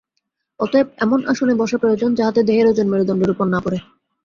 অতএব এমন আসনে বসা প্রয়োজন, যাহাতে দেহের ওজন মেরুদণ্ডের উপর না পড়ে।